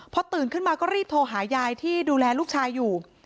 พอตื่นขึ้นมาก็รีบโทรหายายที่ดูแลลูกชายอยู่